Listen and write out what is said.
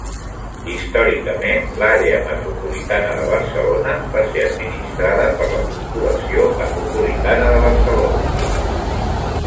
Històricament l'Àrea Metropolitana de Barcelona va ser administrada per la Corporació Metropolitana de Barcelona.